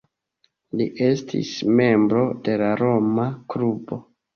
Li estis membro de la Roma Klubo.